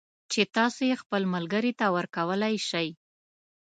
چې تاسو یې خپل ملگري ته ورکولای شئ